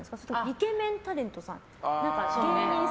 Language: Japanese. イケメンタレントさん？